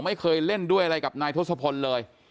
ไม่เคยเล่นด้วยอะไรกับนายทศพลเลย